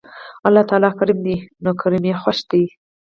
الله تعالی کريم دی نو کرَم ئي خوښ دی